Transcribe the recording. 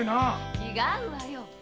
違うわよ。